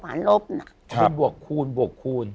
เป็นบวกคูณบวกคูณ